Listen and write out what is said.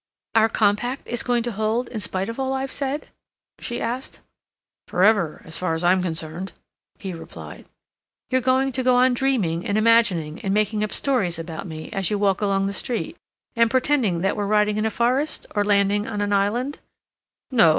"Our compact is going to hold in spite of all I've said?" she asked. "For ever, so far as I'm concerned," he replied. "You're going to go on dreaming and imagining and making up stories about me as you walk along the street, and pretending that we're riding in a forest, or landing on an island—" "No.